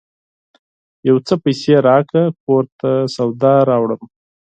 یو څه پیسې راکړه ! کور ته سودا راوړم